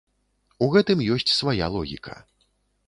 У гэтым ёсць свая логіка.